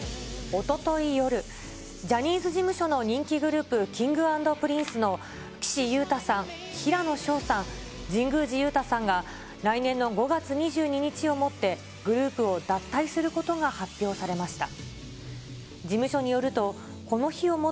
おととい夜、ジャニーズ事務所の人気グループ、Ｋｉｎｇ＆Ｐｒｉｎｃｅの岸優太さん、平野紫燿さん、神宮寺勇太さんが、来年の５月２２日をもってグループを脱退することが発表されました。